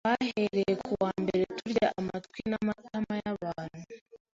twahereye ku wa mbere turya amatwi n’amatama y’abantu